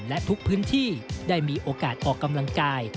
และทุกพื้นที่ได้มีโอกาสออกกำลังกาย